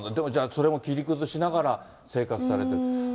それも切り崩しながら生活されてる。